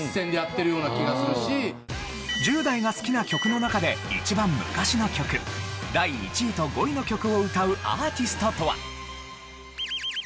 １０代が好きな曲の中で一番昔の曲第１位と５位の曲を歌うアーティストとは？